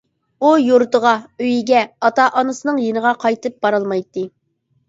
ئۇ يۇرتىغا، ئۆيىگە، ئاتا-ئانىسىنىڭ يېنىغا قايتىپ بارالمايتتى.